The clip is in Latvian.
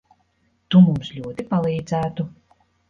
Tu mums ļoti palīdzētu.